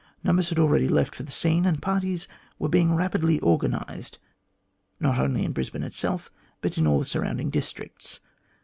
Numbers had already left for the scene, and parties were being rapidly organised, not only in Brisbane itself, but in all the surrounding districts.